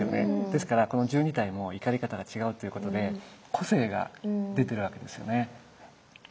ですからこの１２体も怒り方が違うっていうことで個性が出てるわけですよね。